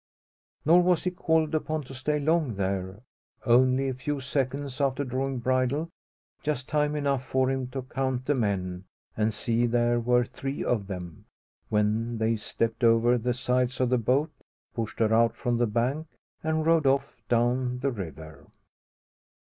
Nor was he called upon to stay long there only a few seconds after drawing bridle just time enough for him to count the men, and see there were three of them when they stepped over the sides of the boat, pushed her out from the bank, and rowed off down the river.